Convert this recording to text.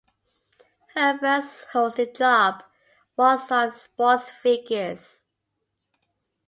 Her first hosting job was on SportsFigures.